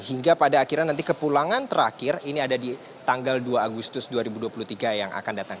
hingga pada akhirnya nanti kepulangan terakhir ini ada di tanggal dua agustus dua ribu dua puluh tiga yang akan datang